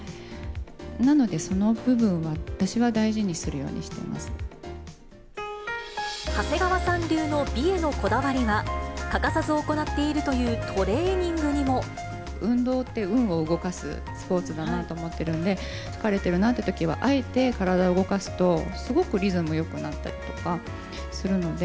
なので、その部分は私は大事にするようにしてま長谷川さん流の美へのこだわりは、欠かさず行っているというトレーニングにも。運動って、運を動かすスポーツだなと思ってるので、疲れてるなっていうときは、あえて体を動かすと、すごくリズムよくなったりとかするので。